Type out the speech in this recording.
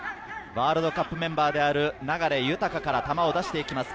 ワールドカップメンバーである流大から球を出していきます。